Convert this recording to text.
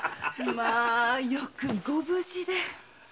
まあよくご無事で。